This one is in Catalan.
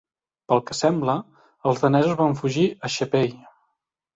Pel que sembla, els danesos van fugir a Sheppey.